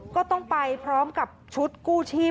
ก็ต้องไปพร้อมกับชุดกู้ชีพ